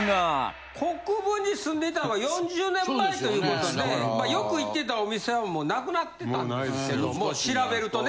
なんですがという事でよく行ってたお店はもうなくなってたんですけども調べるとね。